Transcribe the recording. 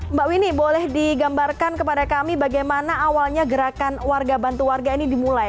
mbak winnie boleh digambarkan kepada kami bagaimana awalnya gerakan warga bantu warga ini dimulai